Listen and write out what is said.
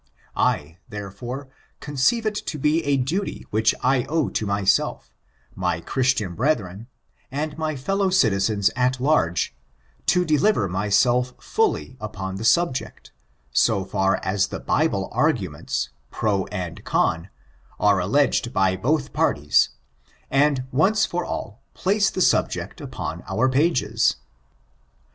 I, therefore, conceive it to be a duty which I owe to myself, my Christian brethren, and my fellow citizens at large, to deliver myself fully upon the subject, so far as the Bible arguments, pro and aw» are alledged by both parties, and, once for all, place the subject upon our pages.